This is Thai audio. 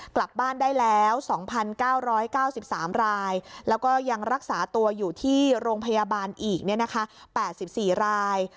กลับบ้านได้แล้ว๒๙๙๓รายแล้วก็ยังรักษาตัวอยู่ที่โรงพยาบาลอีก๘๔ราย